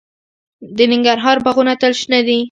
د ننګرهار باغونه تل شنه دي.